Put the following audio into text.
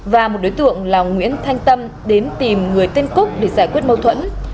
và một đối tượng là nguyễn thanh tâm đến tìm người tên cúc để giải quyết mâu thuẫn